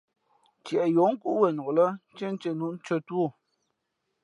Ntieꞌ yi ǒ kúꞌ wenok lά, ntīēntíé nu tʉ̄ᾱ tú ō.